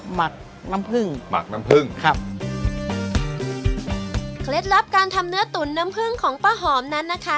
หมักน้ำผึ้งหมักน้ำผึ้งครับเคล็ดลับการทำเนื้อตุ๋นน้ำผึ้งของป้าหอมนั้นนะคะ